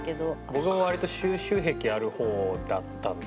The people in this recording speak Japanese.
僕も割と収集癖ある方だったんで。